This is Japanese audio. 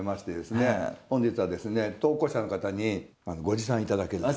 本日は投稿者の方にご持参頂けると。